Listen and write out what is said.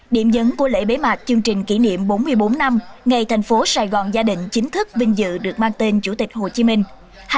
điểm dấn của lễ bế mạc chương trình kỷ niệm bốn mươi bốn năm ngày thành phố sài gòn gia đình chính thức vinh dự được mang tên chủ tịch hồ chí minh